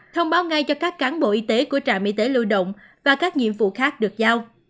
thông báo ngay cho các cán bộ y tế của trạm y tế lưu động và các nhiệm vụ khác được giao